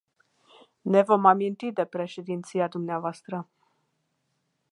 Ne vom aminti de președinția dvs.